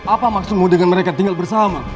apa maksudmu dengan mereka tinggal bersama